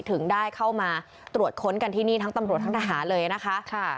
ถึงได้เข้ามาตรวจค้นกันที่นี่ทั้งตำรวจทั้งทหารเลยนะคะ